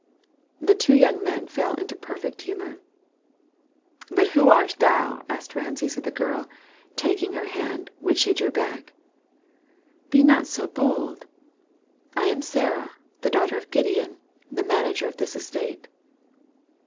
The two young men fell into perfect humor. "But who art thou?" asked Rameses of the girl, taking her hand, which she drew back. "Be not so bold. I am Sarah, the daughter of Gideon, the manager of this estate."